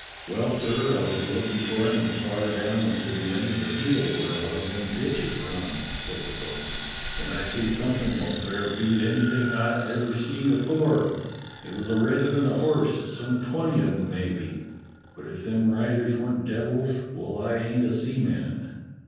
"Well, sir, I was a lookin' for him as far down as to the end of the field where one of them ditches run," said the bo'sun, "when I see something wot fair beat anything I ever seed afore: it was a regiment of horse, some twenty of 'em maybe, but if them riders weren't devils, well, I ain't a seaman."